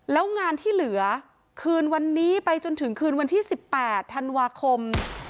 แล้วงานที่เหลือคืนวันนี้ไปจนถึงคืนวันที่๑๘ธันวาคม